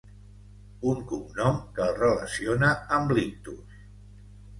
Un cognom que el relaciona amb l'Ictus.